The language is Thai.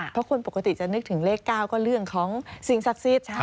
เพราะคนปกติจะนึกถึงเลข๙ก็เรื่องของสิ่งศักดิ์สิทธิ์